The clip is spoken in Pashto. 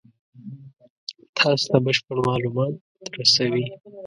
تاسې ته بشپړ مالومات رسوي.